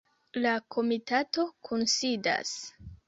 La komitato kunsidas.